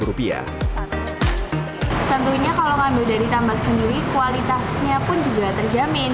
tentunya kalau ngambil dari tambak sendiri kualitasnya pun juga terjamin